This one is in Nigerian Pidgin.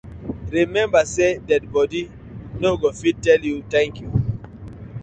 Remmeber say dead bodi no go fit tell yu tank yu.